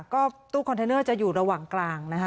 ก็ตู้คอนเทนเนอร์จะอยู่ระหว่างกลางนะคะ